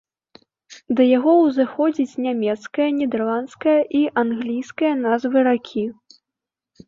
Да яго ўзыходзяць нямецкая, нідэрландская і англійская назвы ракі.